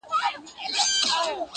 یو وصیت یې په حُجره کي وو لیکلی؛